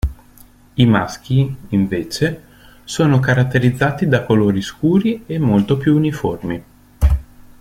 I maschi, invece, sono caratterizzati da colori scuri e molto più uniformi.